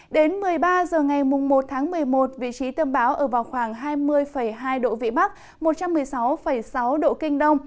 đến một mươi ba h ngày một tháng một mươi một vị trí tâm bão ở vào khoảng hai mươi hai độ vĩ bắc một trăm một mươi sáu sáu độ kinh đông